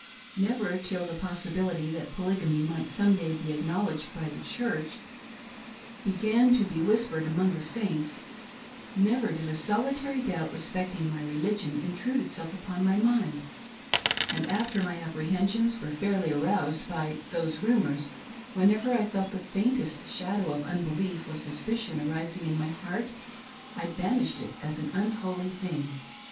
Never, till the possibility that polygamy might some day be acknowledged by the Church, began to be whispered among the Saints — never did a solitary doubt respecting my religion intrude itself upon my mind ; and after my apprehensions were fairly aroused by those rumors, whenever I felt the faintest shadow of unbelief or suspicion arising in my heart, I banished it as an unholy thing.